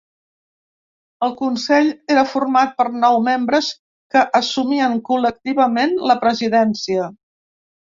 El consell era format per nou membres que assumien col·lectivament la presidència.